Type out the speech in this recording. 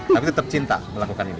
tapi tetap cinta melakukan ini